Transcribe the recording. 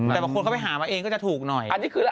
แต่เราไปหามาเองก็จะถูกหน่อย